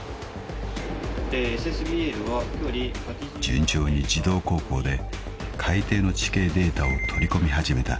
［順調に自動航行で海底の地形データを取り込み始めた］